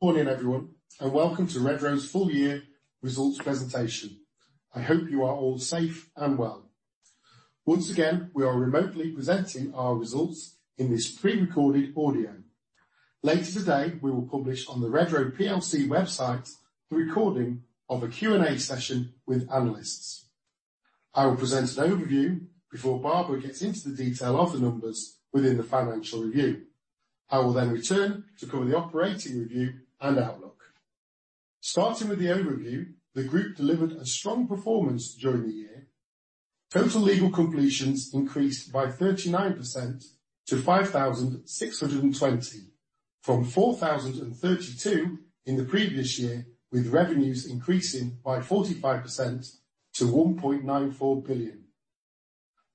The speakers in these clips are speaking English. Good morning, everyone, and welcome to Redrow's full year results presentation. I hope you are all safe and well. Once again, we are remotely presenting our results in this pre-recorded audio. Later today, we will publish on the Redrow plc website, the recording of a Q&A session with analysts. I will present an overview before Barbara gets into the detail of the numbers within the financial review. I will return to cover the operating review and outlook. Starting with the overview, the group delivered a strong performance during the year. Total legal completions increased by 39% to 5,620, from 4,032 in the previous year, with revenues increasing by 45% to 1.94 billion.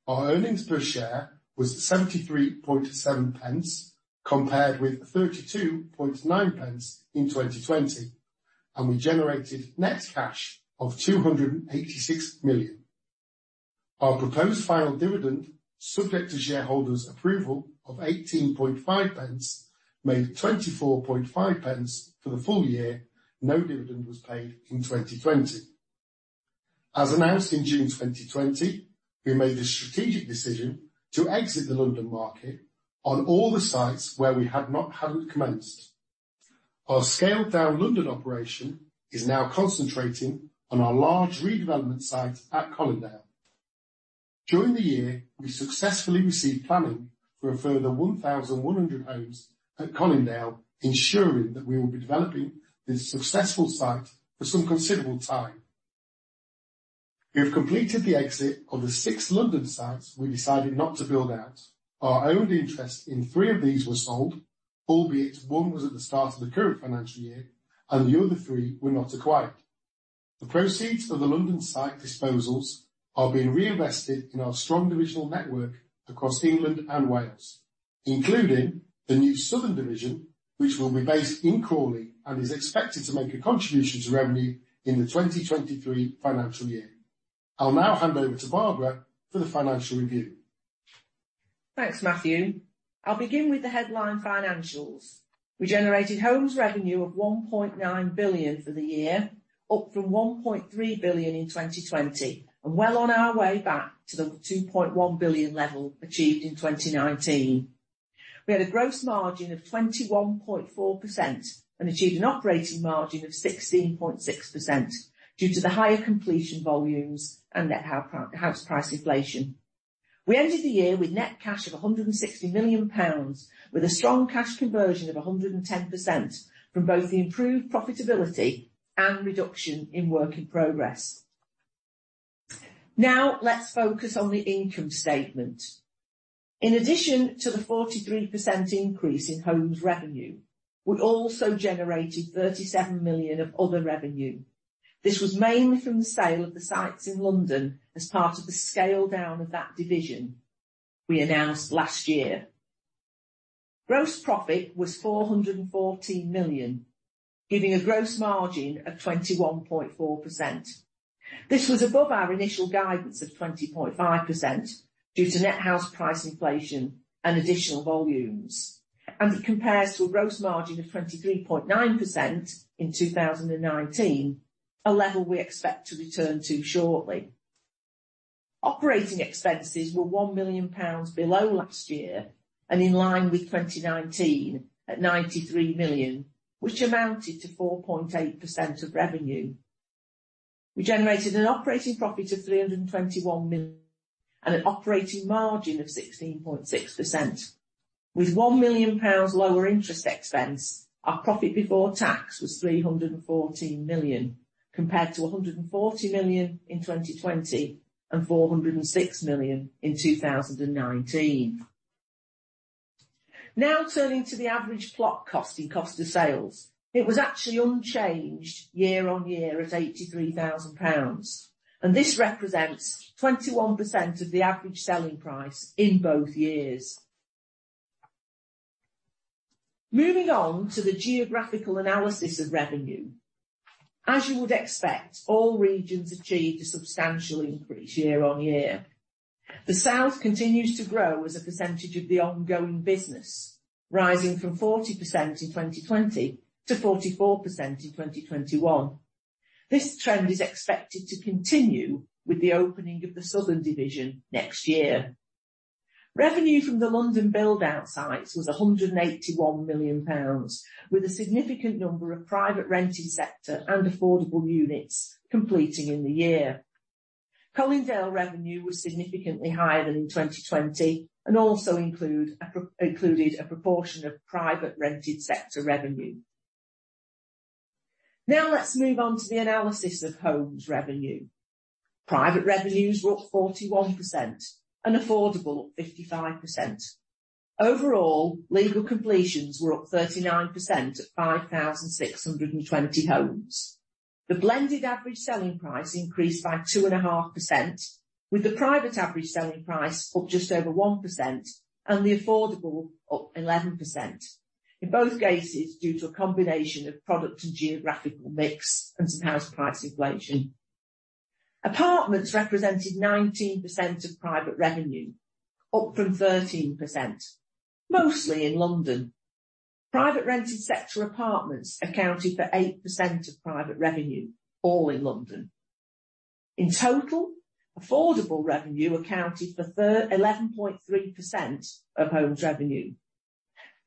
Our earnings per share was 0.737, compared with 0.329 in 2020, and we generated net cash of 286 million. Our proposed final dividend, subject to shareholders' approval of 0.185, made 0.245 for the full year. No dividend was paid in 2020. As announced in June 2020, we made the strategic decision to exit the London market on all the sites where we hadn't commenced. Our scaled down London operation is now concentrating on our large redevelopment site at Colindale. During the year, we successfully received planning for a further 1,100 homes at Colindale, ensuring that we will be developing this successful site for some considerable time. We have completed the exit of the six London sites we decided not to build out. Our owned interest in three of these were sold, albeit one was at the start of the current financial year and the other three were not acquired. The proceeds of the London site disposals are being reinvested in our strong divisional network across England and Wales, including the new southern division, which will be based in Crawley, and is expected to make a contribution to revenue in the 2023 financial year. I'll now hand over to Barbara for the financial review. Thanks, Matthew. I'll begin with the headline financials. We generated homes revenue of 1.9 billion for the year, up from 1.3 billion in 2020, and well on our way back to the 2.1 billion level achieved in 2019. We had a gross margin of 21.4% and achieved an operating margin of 16.6% due to the higher completion volumes and net house price inflation. We ended the year with net cash of 160 million pounds, with a strong cash conversion of 110% from both the improved profitability and reduction in work in progress. Now, let's focus on the income statement. In addition to the 43% increase in homes revenue, we also generated 37 million of other revenue. This was mainly from the sale of the sites in London as part of the scale down of that division we announced last year. Gross profit was 414 million, giving a gross margin of 21.4%. This was above our initial guidance of 20.5% due to net house price inflation and additional volumes, and it compares to a gross margin of 23.9% in 2019, a level we expect to return to shortly. Operating expenses were 1 million pounds below last year and in line with 2019 at 93 million, which amounted to 4.8% of revenue. We generated an operating profit of 321 million and an operating margin of 16.6%. With 1 million pounds lower interest expense, our profit before tax was 314 million, compared to 140 million in 2020 and 406 million in 2019. Now turning to the average plot costing cost of sales. It was actually unchanged year-on-year at 83,000 pounds. This represents 21% of the average selling price in both years. Moving on to the geographical analysis of revenue. As you would expect, all regions achieved a substantial increase year-on-year. The south continues to grow as a percentage of the ongoing business, rising from 40% in 2020 to 44% in 2021. This trend is expected to continue with the opening of the southern division next year. Revenue from the London build out sites was 181 million pounds, with a significant number of private rented sector and affordable units completing in the year. Colindale revenue was significantly higher than in 2020 and also included a proportion of private rented sector revenue. Let's move on to the analysis of homes revenue. Private revenues were up 41% and affordable 55%. Legal completions were up 39% at 5,620 homes. The blended average selling price increased by 2.5%, with the private average selling price up just over 1% and the affordable up 11%, in both cases, due to a combination of product and geographical mix and some house price inflation. Apartments represented 19% of private revenue, up from 13%, mostly in London. Private rented sector apartments accounted for 8% of private revenue, all in London. In total, affordable revenue accounted for 11.3% of homes revenue.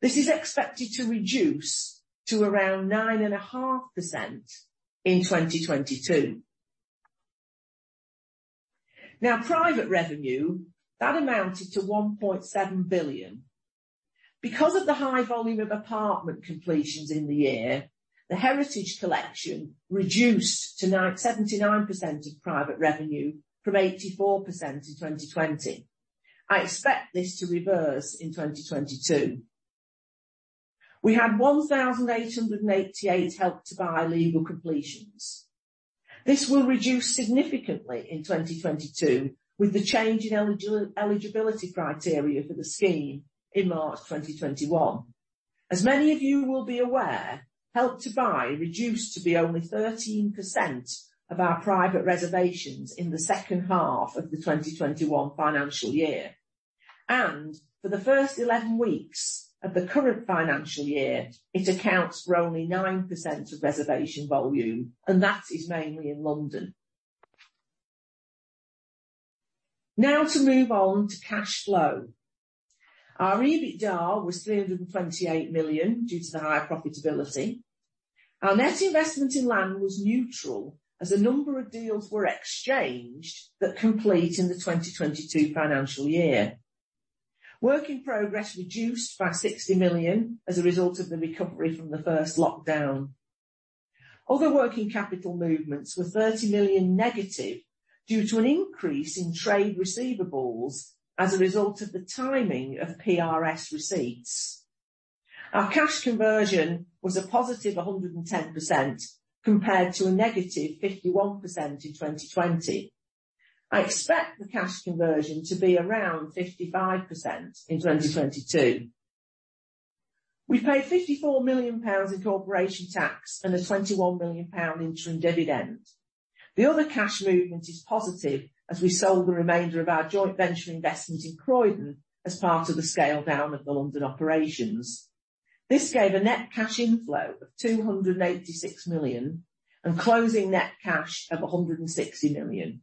This is expected to reduce to around 9.5% in 2022. Private revenue, that amounted to 1.7 billion. Because of the high volume of apartment completions in the year, the Heritage Collection reduced to 79% of private revenue from 84% in 2020. I expect this to reverse in 2022. We had 1,888 Help to Buy legal completions. This will reduce significantly in 2022 with the change in eligibility criteria for the scheme in March 2021. As many of you will be aware, Help to Buy reduced to be only 13% of our private reservations in the second half of the 2021 financial year. For the first 11 weeks of the current financial year, it accounts for only 9% of reservation volume, and that is mainly in London. To move on to cash flow. Our EBITDA was 328 million due to the higher profitability. Our net investment in land was neutral as a number of deals were exchanged that complete in the 2022 financial year. Work in progress reduced by 60 million as a result of the recovery from the first lockdown. Other working capital movements were 30 million negative due to an increase in trade receivables as a result of the timing of PRS receipts. Our cash conversion was a +110% compared to a -51% in 2020. I expect the cash conversion to be around 55% in 2022. We paid 54 million pounds in corporation tax and a 21 million pound interim dividend. The other cash movement is positive as we sold the remainder of our joint venture investment in Croydon as part of the scale down of the London operations. This gave a net cash inflow of 286 million and closing net cash of 160 million.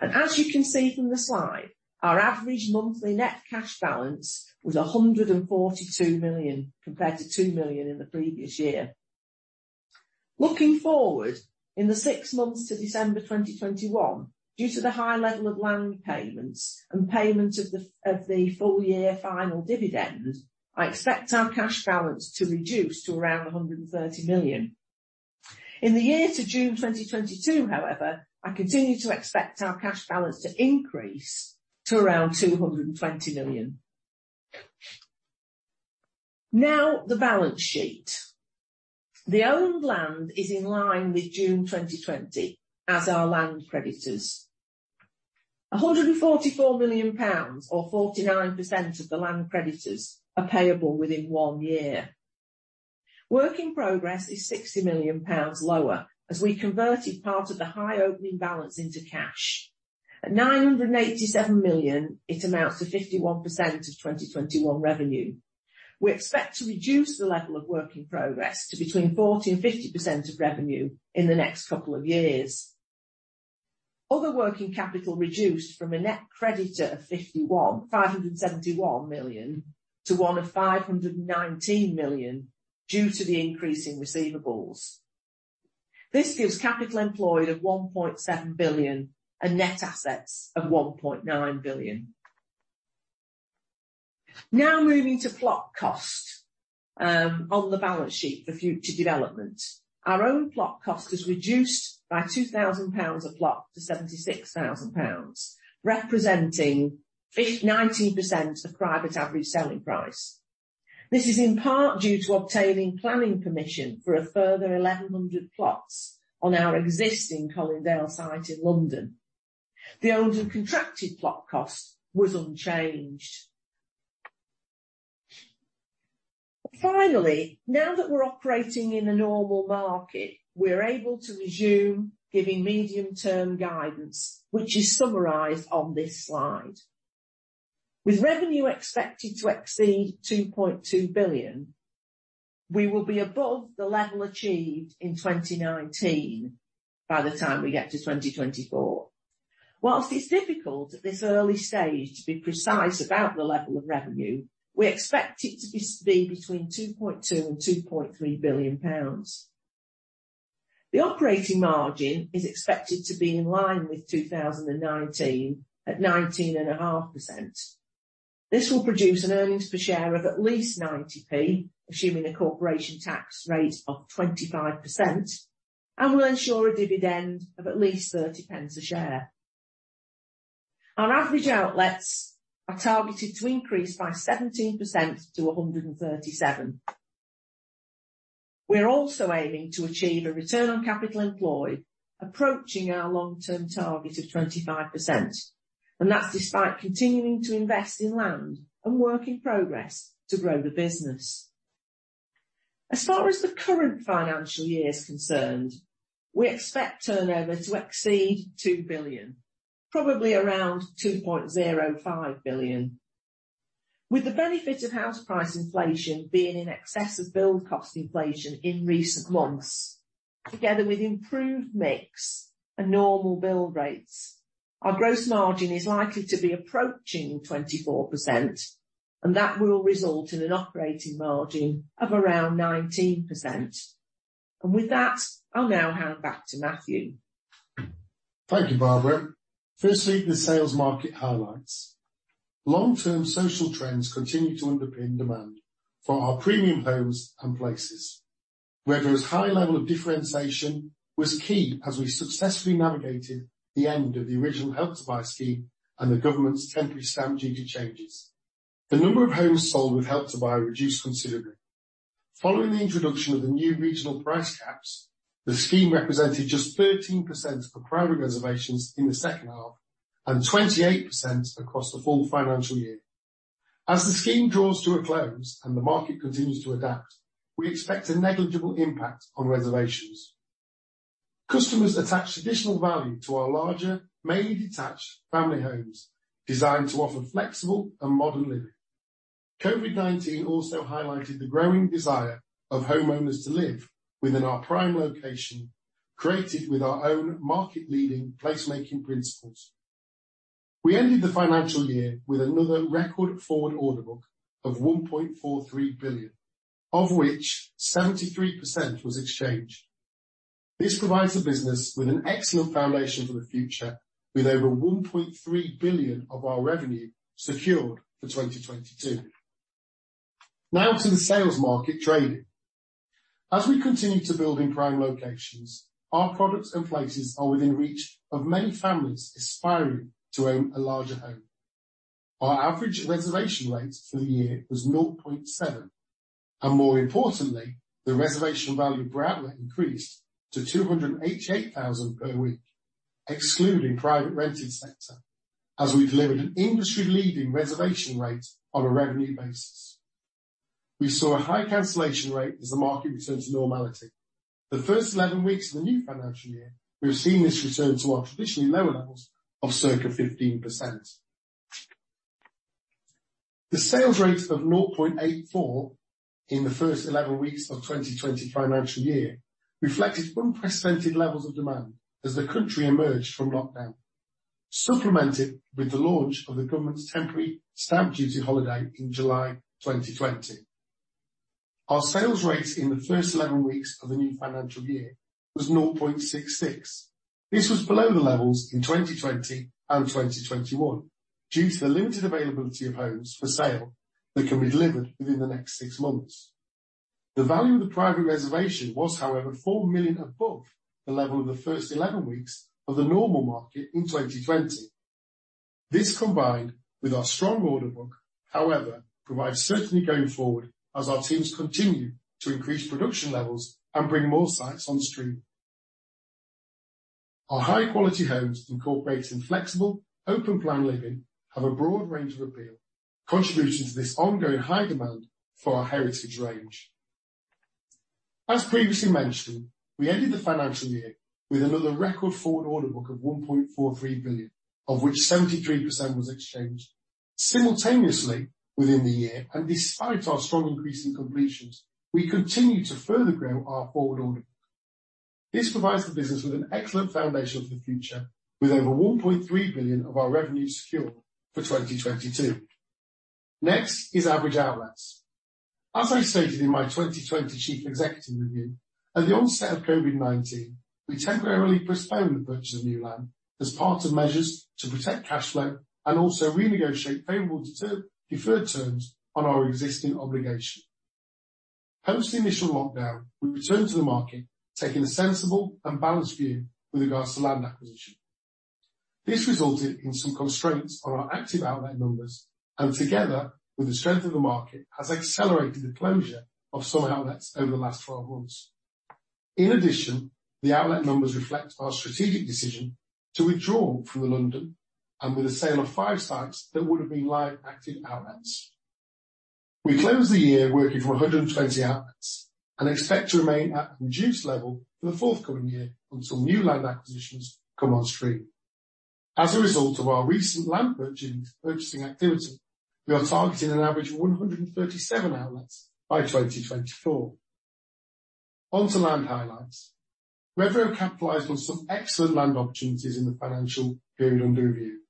As you can see from the slide, our average monthly net cash balance was 142 million compared to 2 million in the previous year. Looking forward, in the six months to December 2021, due to the high level of land payments and payment of the full year final dividend, I expect our cash balance to reduce to around 130 million. In the year to June 2022, however, I continue to expect our cash balance to increase to around 220 million. Now, the balance sheet. The owned land is in line with June 2020 as our land creditors. 144 million pounds, or 49% of the land creditors, are payable within one year. Work in progress is 60 million pounds lower as we converted part of the high opening balance into cash. At 987 million, it amounts to 51% of 2021 revenue. We expect to reduce the level of work in progress to between 40% and 50% of revenue in the next couple of years. Other working capital reduced from a net creditor of 571 million to one of 519 million due to the increase in receivables. This gives capital employed of 1.7 billion and net assets of 1.9 billion. Now moving to plot cost on the balance sheet for future development. Our own plot cost has reduced by 2,000 pounds a plot to 76,000 pounds, representing 90% of private average selling price. This is in part due to obtaining planning permission for a further 1,100 plots on our existing Colindale site in London. The owned and contracted plot cost was unchanged. Finally, now that we're operating in a normal market, we're able to resume giving medium term guidance, which is summarized on this slide. With revenue expected to exceed 2.2 billion, we will be above the level achieved in 2019 by the time we get to 2024. While it's difficult at this early stage to be precise about the level of revenue, we expect it to be between 2.2 billion and 2.3 billion pounds. The operating margin is expected to be in line with 2019 at 19.5%. This will produce an earnings per share of at least 0.90, assuming a corporation tax rate of 25%, and will ensure a dividend of at least 0.30 a share. Our average outlets are targeted to increase by 17% to 137. We are also aiming to achieve a return on capital employed approaching our long-term target of 25%. That's despite continuing to invest in land and work in progress to grow the business. As far as the current financial year is concerned, we expect turnover to exceed 2 billion, probably around 2.05 billion. With the benefit of house price inflation being in excess of build cost inflation in recent months, together with improved mix and normal bill rates, our gross margin is likely to be approaching 24%. That will result in an operating margin of around 19%. With that, I'll now hand back to Matthew. Thank you, Barbara. Firstly, the sales market highlights. Long-term social trends continue to underpin demand for our premium homes and places. Redrow's high level of differentiation was key as we successfully navigated the end of the original Help to Buy scheme and the government's temporary stamp duty changes. The number of homes sold with Help to Buy reduced considerably. Following the introduction of the new regional price caps, the scheme represented just 13% of private reservations in the second half, and 28% across the full financial year. As the scheme draws to a close and the market continues to adapt, we expect a negligible impact on reservations. Customers attach additional value to our larger, mainly detached family homes, designed to offer flexible and modern living. COVID-19 also highlighted the growing desire of homeowners to live within our prime location, created with our own market leading placemaking principles. We ended the financial year with another record forward order book of 1.43 billion, of which 73% was exchanged. This provides the business with an excellent foundation for the future, with over 1.3 billion of our revenue secured for 2022. Now to the sales market trading. As we continue to build in prime locations, our products and places are within reach of many families aspiring to own a larger home. Our average reservation rate for the year was 0.7, and more importantly, the reservation value per outlet increased to 288,000 per week, excluding private rented sector, as we delivered an industry-leading reservation rate on a revenue basis. We saw a high cancellation rate as the market returned to normality. The first 11 weeks of the new financial year, we have seen this return to our traditionally lower levels of circa 15%. The sales rates of 0.84 in the first 11 weeks of 2020 financial year reflected unprecedented levels of demand as the country emerged from lockdown, supplemented with the launch of the government's temporary Stamp Duty holiday in July 2020. Our sales rates in the first 11 weeks of the new financial year was 0.66. This was below the levels in 2020 and 2021 due to the limited availability of homes for sale that can be delivered within the next six months. The value of the private reservation was, however, 4 million above the level of the first 11 weeks of the normal market in 2020. This combined with our strong order book, however, provides certainty going forward as our teams continue to increase production levels and bring more sites on stream. Our high-quality homes, incorporating flexible, open plan living, have a broad range of appeal, contributing to this ongoing high demand for our Heritage range. As previously mentioned, we ended the financial year with another record forward order book of 1.43 billion, of which 73% was exchanged. Simultaneously within the year and despite our strong increase in completions, we continued to further grow our forward order. This provides the business with an excellent foundation for the future with over 1.3 billion of our revenue secured for 2022. Next is average outlets. As I stated in my 2020 chief executive review, at the onset of COVID-19, we temporarily postponed the purchase of new land as part of measures to protect cash flow and also renegotiate favorable deferred terms on our existing obligation. Post the initial lockdown, we returned to the market, taking a sensible and balanced view with regards to land acquisition. This resulted in some constraints on our active outlet numbers, and together with the strength of the market, has accelerated the closure of some outlets over the last 12 months. In addition, the outlet numbers reflect our strategic decision to withdraw from London, and with the sale of five sites, that would have been live active outlets. We closed the year working from 120 outlets and expect to remain at a reduced level for the forthcoming year until new land acquisitions come on stream. As a result of our recent land purchasing activity, we are targeting an average of 137 outlets by 2024. On to land highlights. Redrow capitalized on some excellent land opportunities in the financial period under review.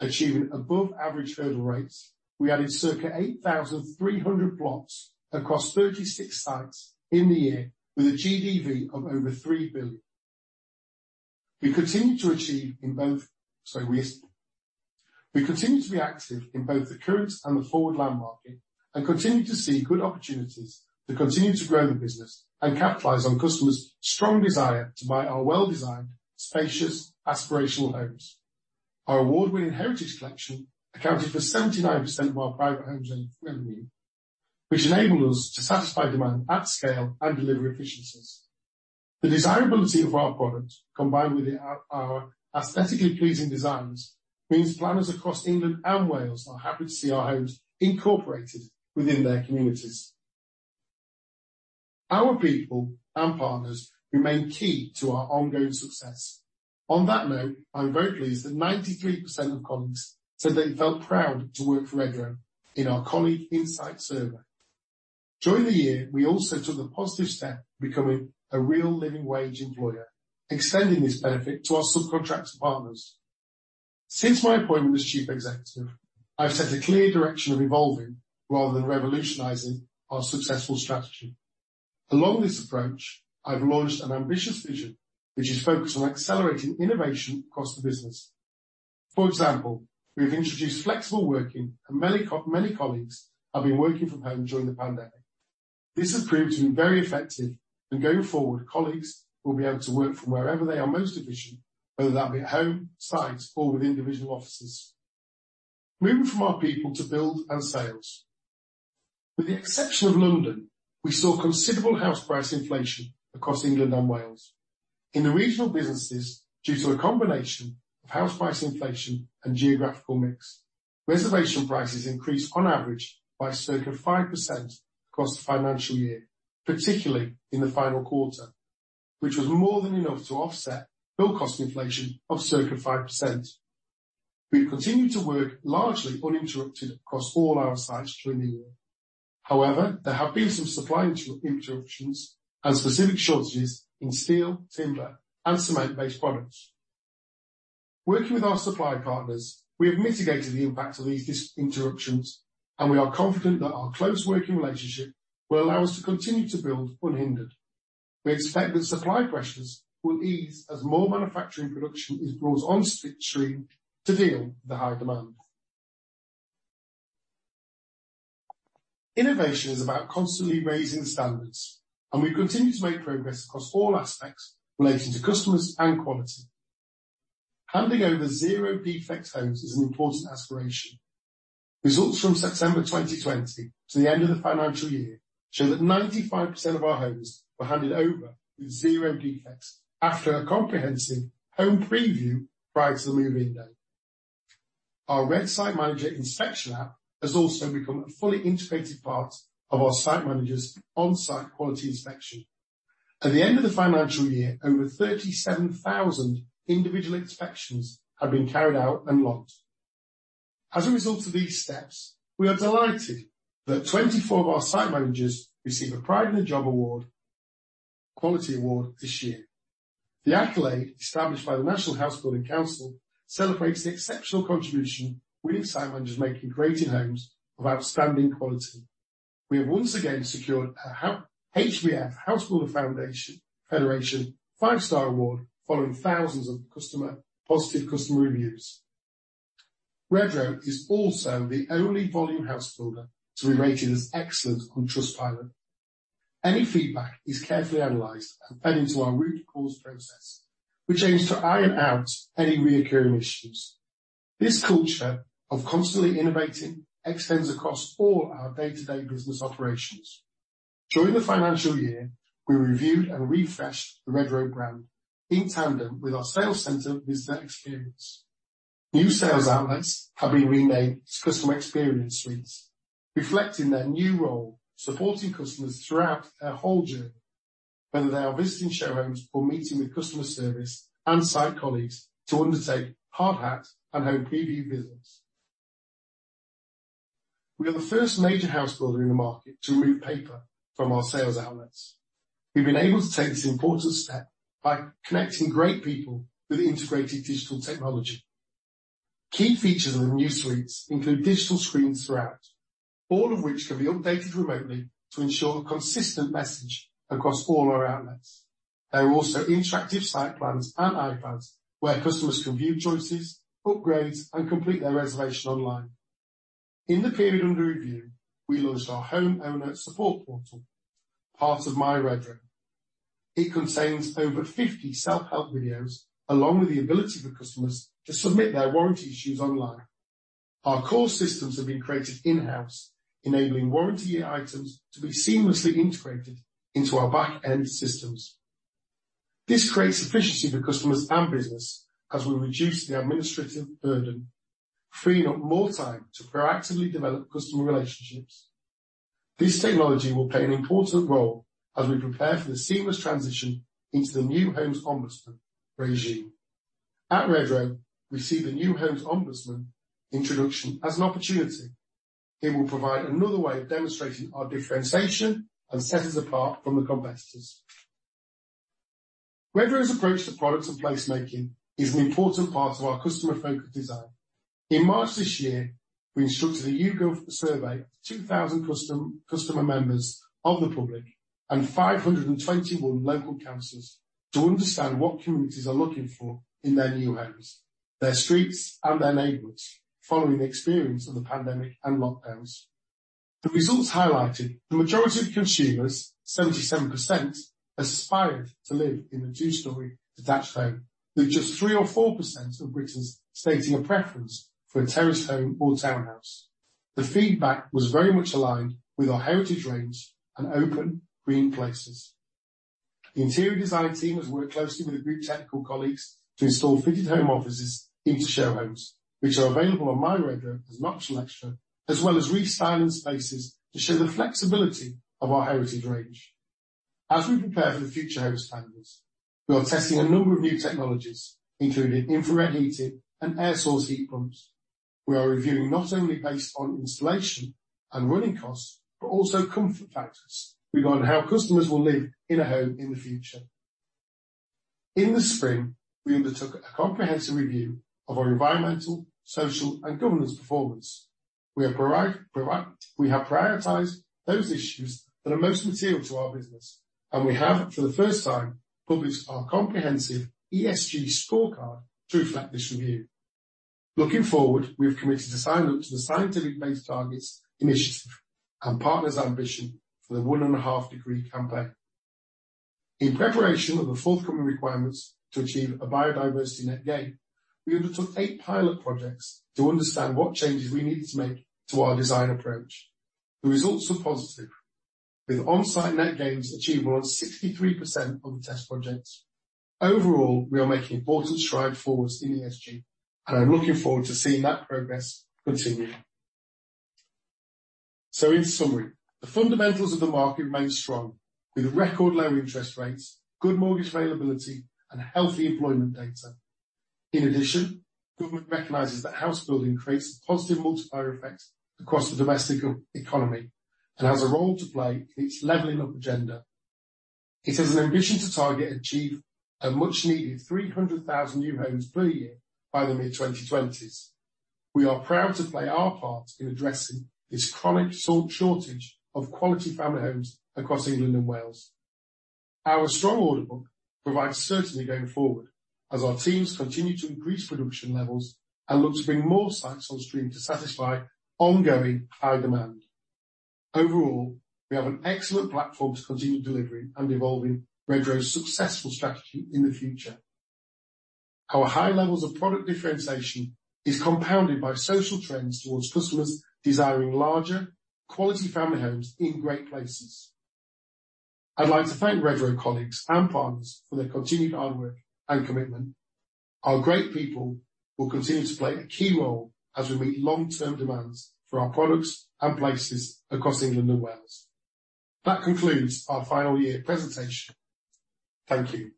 Achieving above average hurdle rates, we added circa 8,300 plots across 36 sites in the year with a GDV of over GBP 3 billion. We continue to be active in both the current and the forward land market and continue to see good opportunities to continue to grow the business and capitalize on customers' strong desire to buy our well-designed, spacious, aspirational homes. Our award-winning Heritage Collection accounted for 79% of our private homes revenue, which enabled us to satisfy demand at scale and deliver efficiencies. The desirability of our products, combined with our aesthetically pleasing designs, means planners across England and Wales are happy to see our homes incorporated within their communities. Our people and partners remain key to our ongoing success. On that note, I am very pleased that 93% of colleagues said they felt proud to work for Redrow in our colleague insight survey. During the year, we also took the positive step becoming a Real Living Wage employer, extending this benefit to our subcontractor partners. Since my appointment as chief executive, I have set a clear direction of evolving rather than revolutionizing our successful strategy. Along this approach, I have launched an ambitious vision which is focused on accelerating innovation across the business. For example, we have introduced flexible working and many colleagues have been working from home during the pandemic. This has proved to be very effective, and going forward, colleagues will be able to work from wherever they are most efficient, whether that be at home, site, or within individual offices. Moving from our people to build and sales. With the exception of London, we saw considerable house price inflation across England and Wales. In the regional businesses, due to a combination of house price inflation and geographical mix, reservation prices increased on average by circa 5% across the financial year, particularly in the final quarter, which was more than enough to offset build cost inflation of circa 5%. We've continued to work largely uninterrupted across all our sites during the year. However, there have been some supply interruptions and specific shortages in steel, timber, and cement-based products. Working with our supply partners, we have mitigated the impact of these interruptions, and we are confident that our close working relationship will allow us to continue to build unhindered. We expect that supply pressures will ease as more manufacturing production is brought on stream to deal with the high demand. Innovation is about constantly raising standards. We continue to make progress across all aspects relating to customers and quality. Handing over zero defect homes is an important aspiration. Results from September 2020 to the end of the financial year show that 95% of our homes were handed over with zero defects after a comprehensive home preview prior to the move-in date. Our Red SMi, Site Management Inspection App has also become a fully integrated part of our site managers' on-site quality inspection. At the end of the financial year, over 37,000 individual inspections had been carried out and logged. As a result of these steps, we are delighted that 24 of our site managers received a Pride in the Job award, quality award this year. The accolade, established by the National House Building Council, celebrates the exceptional contribution we as site managers make in creating homes of outstanding quality. We have once again secured our HBF, Home Builders Federation five-star award following thousands of positive customer reviews. Redrow is also the only volume house builder to be rated as excellent on Trustpilot. Any feedback is carefully analyzed and fed into our root cause process, which aims to iron out any recurring issues. This culture of constantly innovating extends across all our day-to-day business operations. During the financial year, we reviewed and refreshed the Redrow brand in tandem with our sales center visitor experience. New sales outlets have been renamed as customer experience suites, reflecting their new role supporting customers throughout their whole journey, whether they are visiting showrooms or meeting with customer service and site colleagues to undertake hard hat and home preview visits. We are the first major house builder in the market to remove paper from our sales outlets. We've been able to take this important step by connecting great people with integrated digital technology. Key features of the new suites include digital screens throughout, all of which can be updated remotely to ensure a consistent message across all our outlets. There are also interactive site plans and iPads where customers can view choices, upgrades, and complete their reservation online. In the period under review, we launched our home owner support portal, part of My Redrow. It contains over 50 self-help videos along with the ability for customers to submit their warranty issues online. Our core systems have been created in-house, enabling warranty items to be seamlessly integrated into our back-end systems. This creates efficiency for customers and business as we reduce the administrative burden, freeing up more time to proactively develop customer relationships. This technology will play an important role as we prepare for the seamless transition into the New Homes Ombudsman Service. At Redrow, we see the New Homes Ombudsman introduction as an opportunity. It will provide another way of demonstrating our differentiation and set us apart from the competitors. Redrow's approach to products and place making is an important part of our customer-focused design. In March this year, we instructed a YouGov survey of 2,000 customer members of the public and 521 local councils to understand what communities are looking for in their new homes, their streets, and their neighborhoods following the experience of the pandemic and lockdowns. The results highlighted the majority of consumers, 77%, aspired to live in a two-story detached home, with just 3% or 4% of Britons stating a preference for a terraced home or townhouse. The feedback was very much aligned with our Heritage range and open green places. The interior design team has worked closely with a group of technical colleagues to install fitted home offices into show homes, which are available on My Redrow as an optional extra, as well as restyling spaces to show the flexibility of our Heritage range. As we prepare for the Future Homes Standard, we are testing a number of new technologies, including infrared heating and air source heat pumps. We are reviewing not only based on installation and running costs, but also comfort factors regarding how customers will live in a home in the future. In the spring, we undertook a comprehensive review of our environmental, social and governance performance. We have prioritized those issues that are most material to our business, and we have, for the first time, published our comprehensive ESG scorecard to reflect this review. Looking forward, we have committed to sign up to the Science Based Targets initiative and partners ambition for the 1.5 degrees Celsius campaign. In preparation of the forthcoming requirements to achieve a biodiversity net gain, we undertook eight pilot projects to understand what changes we needed to make to our design approach. The results were positive, with onsite net gains achieved on 63% of the test projects. Overall, we are making important strides forwards in ESG, and I'm looking forward to seeing that progress continue. In summary, the fundamentals of the market remain strong with record low interest rates, good mortgage availability and healthy employment data. In addition, government recognizes that house building creates a positive multiplier effect across the domestic economy and has a role to play in its leveling up agenda. It has an ambition to target achieve a much needed 300,000 new homes per year by the mid 2020s. We are proud to play our part in addressing this chronic shortage of quality family homes across England and Wales. Our strong order book provides certainty going forward as our teams continue to increase production levels and look to bring more sites on stream to satisfy ongoing high demand. Overall, we have an excellent platform to continue delivering and evolving Redrow's successful strategy in the future. Our high levels of product differentiation is compounded by social trends towards customers desiring larger quality family homes in great places. I'd like to thank Redrow colleagues and partners for their continued hard work and commitment. Our great people will continue to play a key role as we meet long-term demands for our products and places across England and Wales. That concludes our final year presentation. Thank you